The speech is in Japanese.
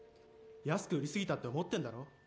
安く売りすぎたって思ってんだろ？